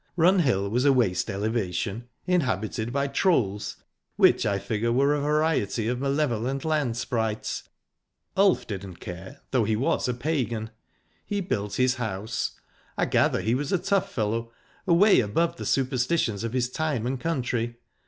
Run Hill was a waste elevation, inhabited by trolls which, I figure, were a variety of malevolent land sprites. Ulf didn't care, though he was a pagan. He built his house. I gather he was a tough fellow, away above the superstitions of his time and country.